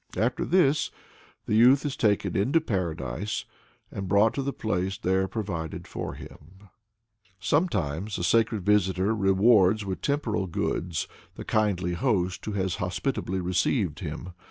After this the youth is taken into Paradise, and brought to the place there provided for him. Sometimes the sacred visitor rewards with temporal goods the kindly host who has hospitably received him.